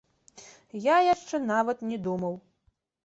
Я яшчэ нават не думаў.